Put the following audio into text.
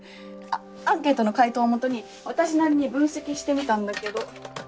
アンケートの回答を基に私なりに分析してみたんだけど。